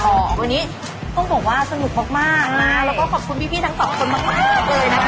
วันนี้ต้องบอกว่าสนุกมากแล้วก็ขอบคุณพี่ทั้งสองคนมากเลยนะคะ